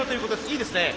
いいですね。